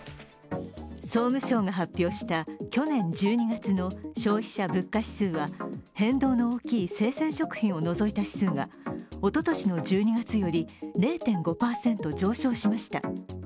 総務省が発表した去年１２月の消費者物価指数は変動の大きい生鮮食品を除いた指数がおととしの１２月より０．５％上昇しました。